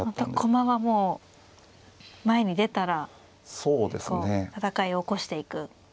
駒がもう前に出たら戦いを起こしていくスタイル。